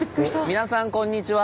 皆さんこんにちは。